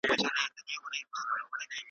که مرغه وو که ماهی د ده په کار وو `